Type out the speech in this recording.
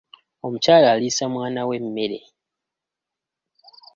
Omukyala aliisa mwana we emmere.